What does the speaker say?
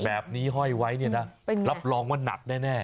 แบบนี้ห้อยไว้เนี่ยนะรับรองมันหนักแน่